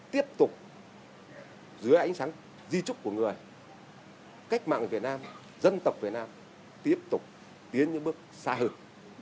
tiếp tục dưới ánh sáng di trúc của người cách mạng việt nam dân tộc việt nam tiếp tục tiến những bước xa hơn